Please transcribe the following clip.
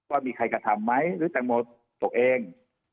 ว่ามีใครกระทำไหมหรือแตงโมตกเอง